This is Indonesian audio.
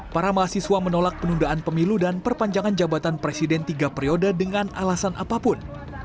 para mahasiswa menolak penundaan pemilu dan perpanjangan jabatan presiden tiga periode dengan alasan apapun